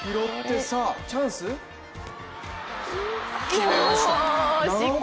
決めました。